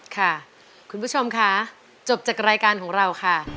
ค่ะคุณผู้ชมค่ะจบจากรายการของเราค่ะ